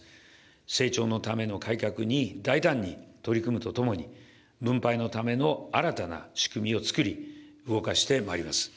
成長のための改革に、大胆に取り組むとともに、分配のための新たな仕組みをつくり、動かしてまいります。